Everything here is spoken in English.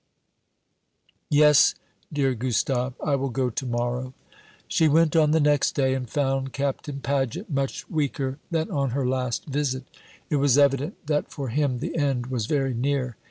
"Yes, dear Gustave. I will go to morrow." She went on the next day, and found Captain Paget much weaker than on her last visit. It was evident that for him the end was very near.